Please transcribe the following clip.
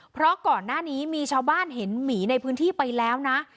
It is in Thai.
เพราะก่อนหน้านี้มีชาวบ้านเห็นหมีในพื้นที่ไปแล้วนะ